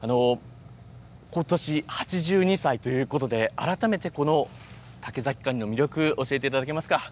ことし８２歳ということで、改めてこの竹崎カニの魅力、教えていただけますか。